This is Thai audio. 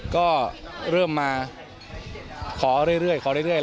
ก็เริ่มมาขอเรื่อยขอเรื่อย